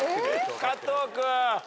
加藤君。